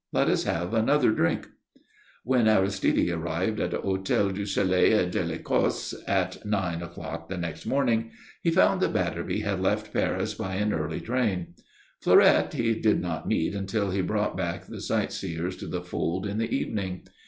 Let us have another drink." When Aristide arrived at the Hôtel du Soleil et de l'Ecosse at nine o'clock the next morning he found that Batterby had left Paris by an early train. Fleurette he did not meet until he brought back the sight seers to the fold in the evening.